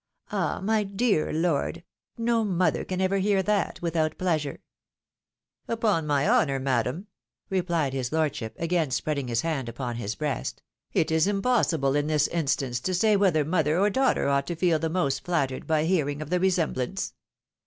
"Ah! my dear lord! no mother can ever hear that without pleasure !" "Upon my honour, madam," rephed his lordship, again spreading his hand upon his breast, " it is impossible in this instance to say whether mother or daughter ought to feel the most flattered by hearing of the resemblance.